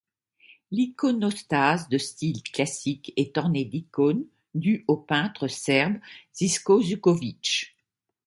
L'iconostase de style classique est ornée d'icônes dues au peintre serbe Živko Jugović.